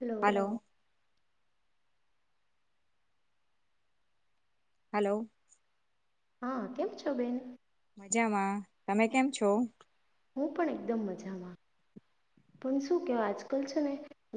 hello hello hello હા કેમ છો બેન મજામાં તમે કેમ છો હું પણ એકદમ મજામાં પણ શું કહેવાય આજકાલ છે ને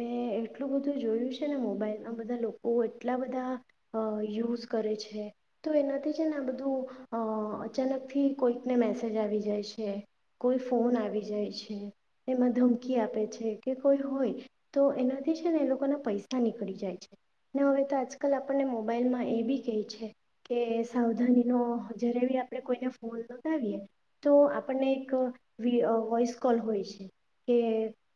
મેં એટલું બધું જોયું છે ને મોબાઈલમાં બધા લોકો એટલા બધા યુઝ કરે છે તો એનાથી છે ને આ બધું અચાનકથી કોઈકને મેસેજ આવી જાય છે કોઈ ફોન આવી જાય છે એમાં ધમકી આપે છે કે કોઈ હોય તો એનાથી છે ને એ લોકોના પૈસા નીકળી જાય છે ને હવે તો આજકાલ આપણને મોબાઈલમાં એ બી કહે છે કે સાવધાનીનો જ્યારે બી આપણે કોઈને ફોન લગાવીએ તો આપણને વોઈસ કોલ હોય છે કે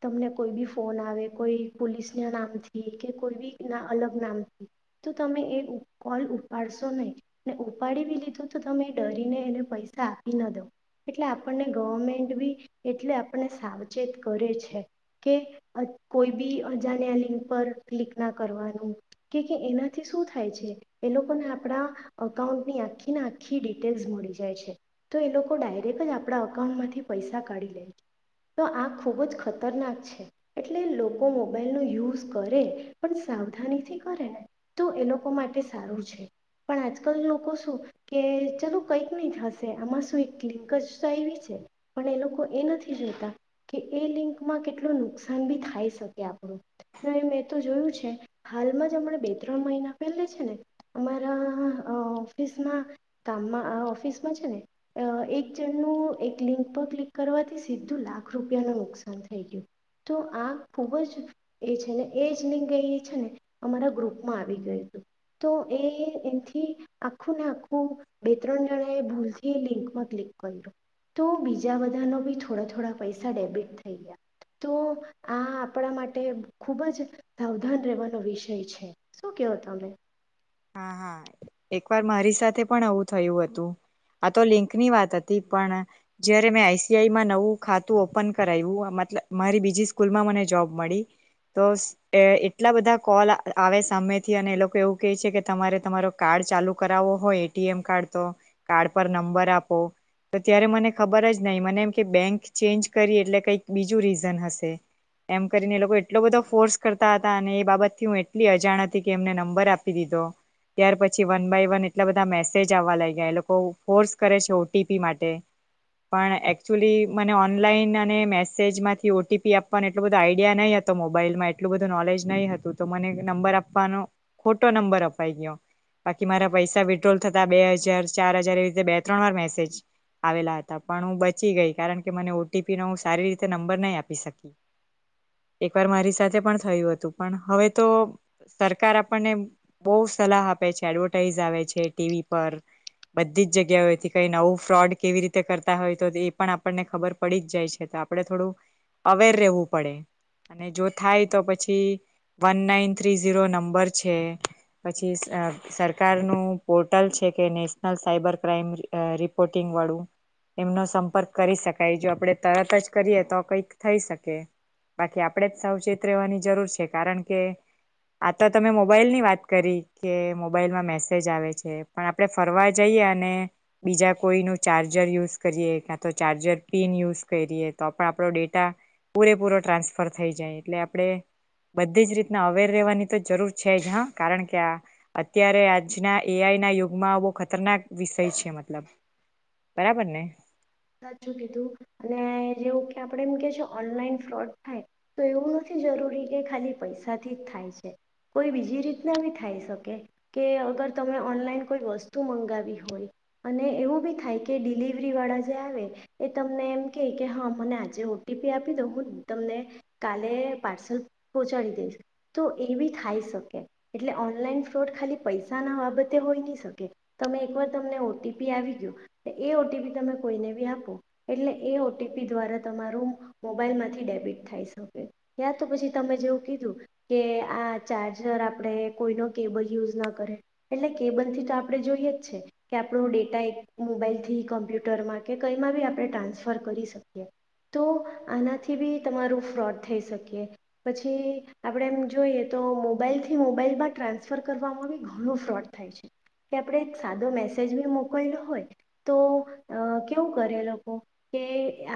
તમને કોઈ બી ફોન આવે કોઈ પોલીસના નામથી કે કોઈ બી ના અલગ નામથી તો તમે એ કોલ ઉપાડશો નહીં ને ઉપાડીવી લીધું તો તમે એ ડરીને એને પૈસા આપી ના દો એટલે આપણને ગવર્મેન્ટ બી એટલે આપણને સાવચેત કરે છે કે કોઈ બી અજાણ આ લિંક પર ક્લિક ના કરવાનું કે એનાથી શું થાય છે એ લોકોને આપણા અકાઉન્ટની આખીને આખી ડિટેલ્સ મળી જાય છે તો એ લોકો ડાયરેક્ટ જ આપ આપણા અકાઉન્ટમાંથી પૈસા કાઢી લેજ તો આ ખૂબ જ ખતરનાક છે એટલે લોકો મોબાઈલનો યુઝ કરે પણ સાવધાનીથી કરે ને તો એ લોકો માટે સારું છે પણ આજકાલ લોકો શું કે ચાલું કંઈક નહીં થશે આમાં શું એક ક્લિંક જ પણ એ લોકો એ નથી જોતા કે એ લિંકમાં કેટલું નુકસાન ભી થાય શકે આપણું મે તો જોયું છે હાલમાં જ હમણા બે ત્રણ મહિના પહેલે છે ને અમારા ઓફિસમાં કામમાં ઓફિસમાં છે ને એક જણનું એક લિંક પર ક્લિક કરવાથી સીધું લાખ રૂપિયા ન નુકસાન થઈ ગયું તો આ ખુબ જ એ છે ને એ જ લિંક એ છે ને અમારા ગ્રુપમાં આવી ગયું હતું તો એ એથી આખું ને આખું બે ત્રણ જણા એ ભૂલથી લિંકમાં ક્લિક તો બીજા બધા ન બી થોડા થોડા પૈસા ડેબિટ થઈ ગયા તો આ આપણા માટે ખુબ જ સાવધાન રહેવાનો વિષય છે શું કેવો તમે હા હા એકવાર મારી સાથે પણ એવું થયું હતું આ તો લિંક ની વાત હતી પણ જયારે મેં આઈસીઆઈમાં નવું ખાતું ઓપન કરાવ્યું મત મારી બીજી સ્કૂલમાં મને જોબ મળી તો એટલા બધા કોલ આવે સામેથી અને એ લોકો એવું કહે છે કે તમારે તમારો કાર્ડ ચાલુ કરાવવો હોય એટીએમ કાર્ડ તો કાર્ડ પર નંબર આપો તો ત્યારે મને ખબર જ નહીં મને એમ કે બેંક ચેન્જ કરી એટલે કંઈક બીજું રીઝન હશે એમ કરીને એ લોકો એટલો બધો ફોર્સ કરતા હતા અને એ બાબતથી હું એટલી અજાણ હતી કે એમને નંબર આપી દીધો ત્યાર પછી વન બાય વન એટલા બધા મેસેજ આવવા લાગ્યા એ લોકો ફોર્સ કરે છે ઓટીપી માટે પણ એકચુલી મને ઓનલાઈન અને મેસેજમાંથી ઓટીપી આપવાનો એટલોું બધો આઈડિયા નહી હતો મોબાઈલમાં એટલું બધું નોલેજ નહી હતું તો મને નંબર આપવાનો ખોટો નંબર આપ બાકી મારા પૈસા વિડ્રોલ થતા બે હજાર ચાર હજાર એવી રી બે ત્રણ વાર મેસેજ આવેલા હતા પણ હું બચી ગઈ કારણ કે મને ઓટીપી નો સારી રીતે નંબર નહી આપી શકી એક વાર મારી સાથે પણ થયું હતું પણ હવે તો સરકાર આપણને બહ સલાહ આપે છે એડવર્ટાઈઝ આવે છે ટીવી પર બધી જ જગ્યાઓથી કઈ નવું ફ્રોડ કેવી રીતે કરતા હોય તો એ પણ આપણને ખબર પડી જ જાય છે તો આપડણે થોડું અવેર રહેવું પડે અને જો થાય તો પછી one nine three zero number છે પછી સરકારનું પોર્ટલ છે કે નેશનલ સાયબર ક્રાઈમ રિપોર્ટિંગ વાળું એમનો સંપર્ક કરી શકાય જો આપણે તરત જ કરીએ તો કંઈક થઈ શકે બાકી આપણેે જ સાવચેત રહેવાની જરૂર છે કારણ કે આ તો તમે મોબાઈલની વાત કરી કે મોબાઈલમાં મેસેજ આવે છે પણ આપણે ફરવા જઈએ અને બીજા કોઈનું ચાર્જર યુઝ કરીએ કાં તો ચાર્જર પિન યુઝ કરીએ તો આપ આપણો ડેટા પૂરેપૂરો ટ્રાન્સફર થઈ જાય એટલે આપણે બધી જ રીતના અવેર રહેવાની તો જરૂર છે જ હા કારણ કે આ અત્યારે આજના એઆઈ ના યુગમાં બહ ખતરનાક વિષય છે મતલબ બરાબર ને સાચું કીધું અને જેવું કે આપણે એમ કે છે ઓનલાઈન ફ્રોડ થાય તો એવું નથી જરૂરી કે ખાલી પૈસાથી જ થાય છે કોઈ બીજી રીતના બી થાય શકે કે અગર તમે ઓનલાઈન કોઈ વસ્તુ મંગાવી હોય અને એવું બી થાય કે ડિલિવરી વાળા એ તમને એમ કે કે હા મને આજે ઓટીપી આપી દો હું તમને કાલે પાર્સલ પહોંચાડી દઈશ તો એ બી થાય શકે એટલે ઓનલાઈન ફ્રોડ ખાલી પૈસા ના બાબતે હોઈ નહી શકે તમે એકવાર તમને ઓટીપી આવી ગયો એ ઓટીપી તમે કોઈને બી આપો એટલે એ ઓટીપી દ્વારા તમારું મોબાઈલમાંથી ડેબિટ થઈ શકે યા તો પછી તમે જેવું કીધું કે આ ચાર્જર આપણે કોઈનો કેબલ યુઝ ન કરે એટલે કેબલથી તો આપણે જોઈએ જ છે કે આપણો ડેટા એક મોબાઈલથી કમ્પ્યુટ ટ્યુટરમાં કે કંઈમાં બી આપણે ટ્રાન્સફર કરી શકીએ તો આનાથી બી તમારું ફ્રોડ થઈ શકીએ પછી આપણે એમ જોઈએ તો મોબાઈલથી મોબાઈલમાં ટ્રાન્સફર કરવામાં બી ઘણું ફ્રોડ થાય છે કે આપણે એક સાદો મેસેજ બી મોકલેલો હોય તો અ કેવું કરે એ લોકો કે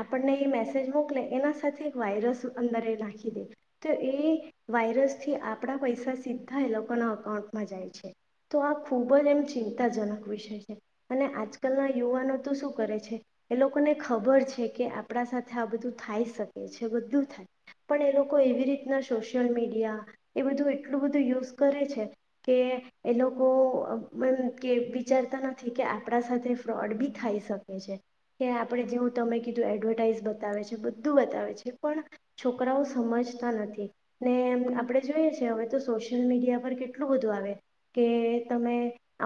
આપણને એ મેસેજ મોકલે એના સાથે એક વાયરસ અંદરે નાખી દે તો એ વાયરસથી આપણા પૈસા સીધા એ લોકોના અકાઉન્ટમાં જાય છે તો આ ખૂબ જ એમ ચિંતાજનક વિષય છે અને આજકાલના યુવાનો શું કરે છે એ લોકોને ખબર છે કે આપણા સાથે આ બધું થાય શકે છે બધું થાય પણ એ લોકો એવી રીતના સોશિયલ મીડિયા એ બધું એટલું બધું યુઝ કરે છે કે એ લોકો કે વિચારતા નથી કે આપણા સાથે ફ્રોડ બી થાય કે આપણે જેવું તમે કીધું એડવર્ટાઈઝ બતાવે છે બધું બતાવે છે પણ છોકરાઓ સમજતા નથી નેમ આપણે જોઈએ છે હવે તો સોશિયલ મીડિયા પર કેટલું બધું આવે કે તમે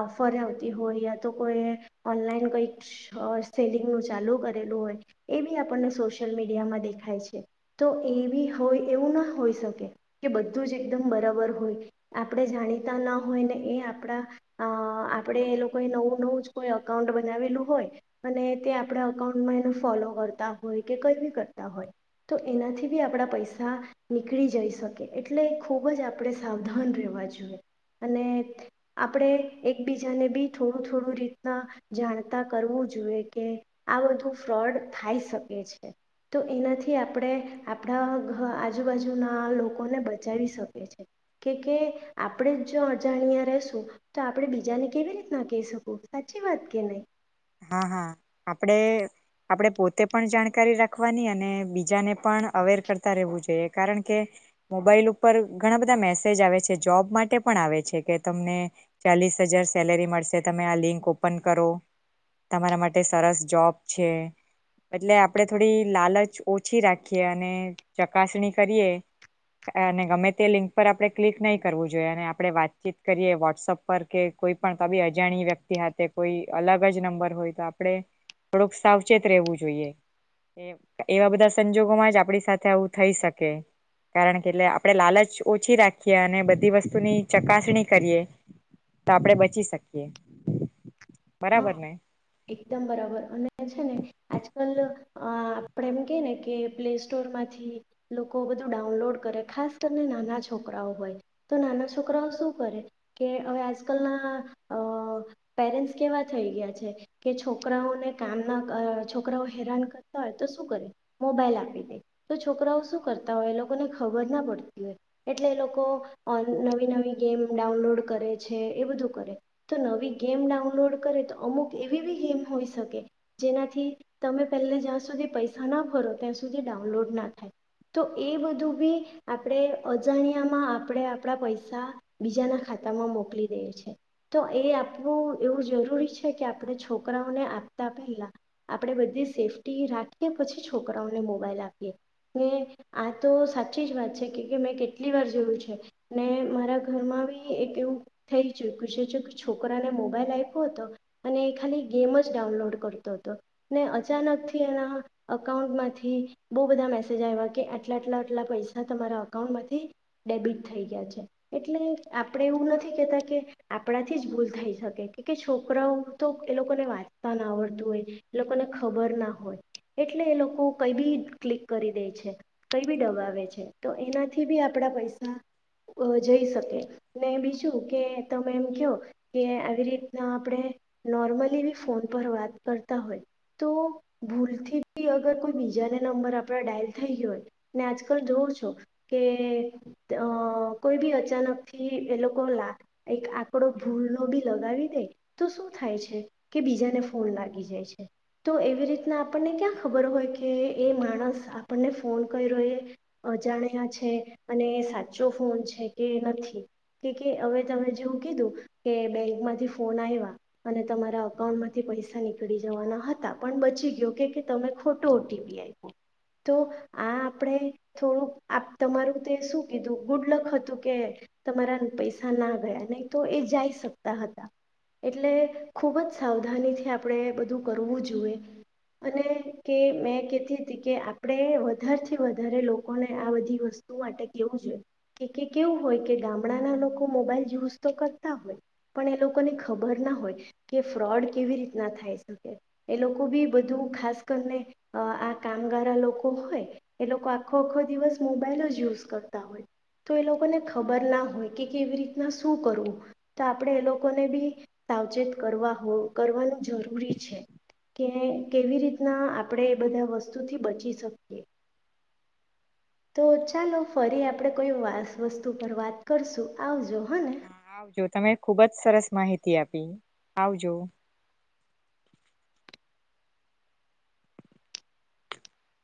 ઓફર આવતી હોય યા તો કોઈ ઓનલાઈન કંઈક સેલિંગ ન ચાલુ કરેલું હોય એ બી આપણને સ સોશિયલ મીડિયામાં દેખાય છે તો એવી હોય એવું ના હોઈ શકે કે બધું જ એકદમ બરાબર હોય આપણે જાણીતા ના હોય ને એ આપણા આપણે એ લોકોએ નવું નવું જ કોઈ અકાઉન્ટ બનાવેલું હોય અને તે આપણા અકાઉન્ટમાં એનું ફોલો કરતા હોય કે કઈ બી કરતા હોય તો એનાથી બી આપણા પૈસા નીકળી જઈ શકે એટલે ખૂબ જ આપણે સાવધાન રહેવા જોઈએ અને આપણે એકબીજાને બી થોડું થોડું રીતના જાણતા કરવું જોએ કે આ બધું ફ્રોડ થાય શકે છે તો એનાથી આપણે આપણા આજુબાજુના લોકોને બચાવી શકે છે કે કે આપણે જ જો અજાણ્યા રશું તો આપણે બીજાને કેવી રીતના કહી શું સાચી વાત કે નહીં હા હા આપડ આપણે પોતે પણ જાણકારી રાખવાની અને બીજાને પણ અવેર કરતા રહેવું જોઈએ કારણ કે મોબાઈલ ઉપર ઘણા બધા મેસેજ આવે છે જોબ માટે પણ આવે છે કે તમને ચાલીસ હજાર સેલેરી મળશે તમે આ લિંક ઓપન કરો તમારા માટે સરસ જોબ છે એટલે આપડે થોડી લાલચ ઓછી રાખીએ અને ચકાસણી કરીએ અને ગમે તે લિંક પર આપણે ક્લિક નહી કરવું જોઈએ અને આપડણે વાતચીત કરીએ વોટ્સઅપ પર કે કોઈ પણ તબી અજાણી વ્યક્તિ સાથે કોઈ અલગ જ નંબર તો આપણે થોડુંક સાવચેત રહેવું જોઈએ એવા બધા સંજોગોમાં જ આપણી સાથે આવું થઈ શકે કારણ કે એટલે આપણે લાલચ ઓછી રાખીએ અને બધી વસ્તુની ચકાસણી કરીએ તો આપણે બચી શકીએ હા બરાબર નને એકદમ બરાબર અને અ છેા નને આજકાલ અ આપણે એમ કે ને કે પ્લે સ્ટોર માંથી લોકો બધું ડાઉનલોડ કરે ખાસ કરીને નાના છોકરાઓ હોય તો નાના છોકરાઓ શું કરે કે હવે આજકાલના અ પેરેન્ટસ વા થઈ ગયા છે કે છોકરાઓને કામ ના છોકરાઓ હેરાન કરતા હોય તો શું કરે મોબાઈલ આપી દે તો છોકરાઓ શું કરતા હોય એ લોકોને ખબર ના પડતી હોય એટલે એ લોકો નવી નવી ગેમ ડાઉનલોડ કરે છે એ બધું કરે તો નવી ગેમ ડાઉન ડાઉનલોડ કરે તો અમુક એવી બી ગેમ હોઈ શકે જેનાથી તમે પહેલા જ્યાં સુધી પૈસા ના ભરો ત્યાં સુધી ડાઉનલોડ ના થાય તો એ બધું બી આપણે અજાણ્યામાં આપણે આપણા પૈસા બીજાના ખાતામાં મોકલી દઈએ છી તો એ આપણું એવું જરૂરી છે કે આપણે છોકરાઓને આપતા પહેલાં આપણે બધી સેફ્ટી રાખીએ પછી છોકરાઓને મોબાઈલ આપીએ ને આ તો સાચી જ વાત છે કે મેં કેટલી વાર જોયું છે ને મારા ઘરમાં બી એક એવું થઈ ચૂક્યું છે છે કે છોકરાને મોબ મોબાઈલ આપ્યો હતો અને એ ખાલી ગેમ જ ડાઉનલોડ કરતો હતો ને અચાનકથી એના અકાઉન્ટમાંથી બહુ બધા મેસેજ આવ્યા કે આટલા આટલા આટલા પૈસા તમારા અકાઉન્ટમાંથી ડેબિટ થઈ ગયા છે એટલે આપણે એવું નથી કહેતા કે આપણાથી જ ભૂલ થઈ શકે છોકરાઓ તો એ લોકોને વાંચતા ના આવડતું હોય એ લોકોને ખબર ના હોય એટલે એ લોકો કઈ બી ક્લિક કરી દે છે કઈ બી દબાવે છે તો એનાથી બી આપણા પૈસા જઈ શકે ને બીજું કે તમે એમ ક કે આવી રીતના આપણે નોર્મલી બી ફોન પર વાત કરતા હોય તો ભૂલથી બી અગર કોઈ બીજાને નંબર આપણા ડાયલ થઈ ગયો હોય ને આજકાલ જોવ છો કે કોઈ બી અચાનકથી એ લોકો લા એક આંકડો ભૂલનો બી થાય કે બીજાને ફોન લાગી જાય છે તો એવી રીતના આપણને ક્યાં ખબર હોય કે એ માણસ આપણને ફોન કર્યો એ અજાણ્યા છે અને સાચો ફોન છે કે નથી કે હવે તમે જેવું કીધું કે માંથી ફોન આવ્યા અને તમારા અકાઉન્ટમાંથી પૈસા નીકળી જવાના હતા પણ બચી ગયો કે તમે ખોટો ઓટીપી આપો તો આ આપણે થોડું તમારું તે શું કીધું ગુડ લક હતું કે તમારા પૈસા ના ગયા નહી તો એ જઈ શક હતા એટલે ખૂબ જ સાવધાનીથી આપણે બધું કરવું જોઈએ અને કે મેં કહેતી હતી કે આપણે વધારેથી વધારે લોકોને આ બધી વસ્તુ માટે કેહેવું જોઈએ કે કેવું હોય કે ગામડાના લોકો મોબાઈલ યુઝ તો કરતા હોય પણ એ લોકોને ખબર ના હોય કે ફ્રોડ કેવી રીતના થાય શકે એ લોકો બી બધું ખાસ કરીને આ કામગારા લોકો હોય એ લોકો આખો આખો દિવસ મોબાઈલ જ યુઝ કરતા હોય તો એ લોકોને ખબર ના હોય કે કેવી રીતના શું કરવું તો આપણેે એ લોકોને બી સાવચેત કરવા હો કરવાનું જરૂરી છે કે કેવી રીતના આપણે એ બધા વસ્તુથી બચી શકીએ તો ચાલો ફરી આપણે કોઈ વસ્તુ પર વાત કરશું આવજો હ હા આવજો તમે ખુબ જ સરસ માહિતી આપી આવજો